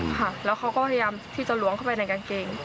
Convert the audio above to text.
ค่ะแล้วเขาก็พยายามที่จะล้วงเข้าไปในกางเกง